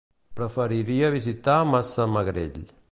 Preferiria visitar Massamagrell.